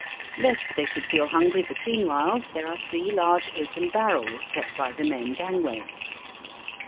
, Lest they should feel hungry between whiles there are three large open barrels set by the main gangway.